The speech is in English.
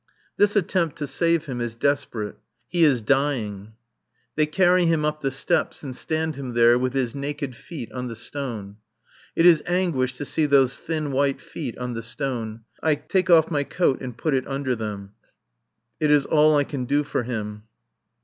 This attempt to save him is desperate. He is dying. They carry him up the steps and stand him there with his naked feet on the stone. It is anguish to see those thin white feet on the stone; I take off my coat and put it under them. It is all I can do for him.